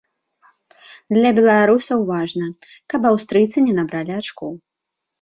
Для беларусаў важна, каб аўстрыйцы не набралі ачкоў.